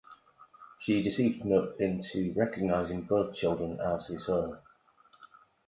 She deceived Cnut into recognizing both children as his own.